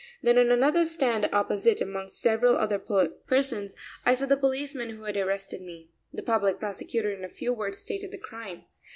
Then on another stand opposite, amongst several other persons, I saw the policeman who had arrested me. The public prosecutor in a few words stated the crime.